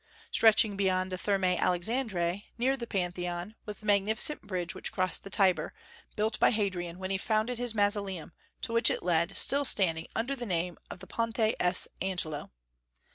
Stretching beyond the Thermae Alexandrinae, near the Pantheon, was the magnificent bridge which crossed the Tiber, built by Hadrian when he founded his Mausoleum, to which it led, still standing under the name of the Ponte S. Angelo.